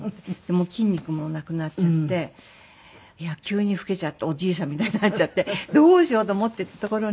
もう筋肉もなくなっちゃって急に老けちゃっておじいさんみたいになっちゃってどうしようと思ってたところに。